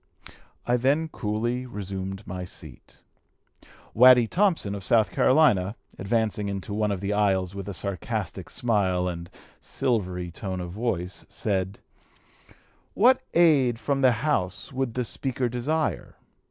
I then coolly resumed my seat. Waddy Thompson, of South Carolina, advancing into one of the aisles with a sarcastic smile and silvery tone of voice, said, 'What aid from the House would the Speaker desire?'